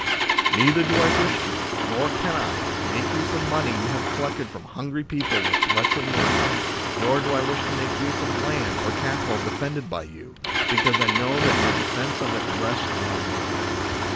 Neither do I wish to, nor can I, make use of money you have collected from hungry people with threats of murder ; nor do I wish to make use of land or capital defended by you, because I know that your defence of it rests on murder.